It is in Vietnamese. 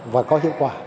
và có hiệu quả